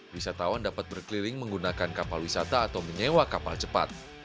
wisatawan dapat berkeliling menggunakan kapal wisata atau menyewa kapal cepat